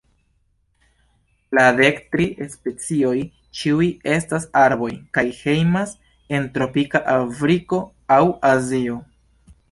La dek tri specioj ĉiuj estas arboj, kaj hejmas en tropika Afriko aŭ Azio.